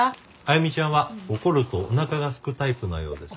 歩ちゃんは怒るとおなかがすくタイプのようです。